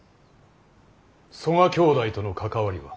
曽我兄弟との関わりは。